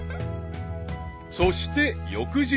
［そして翌日］